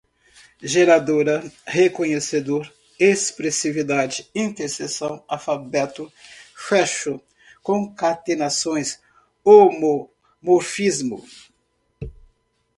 geradora, reconhecedor, expressividade, interseção, alfabeto, fecho, concatenações, homomorfismo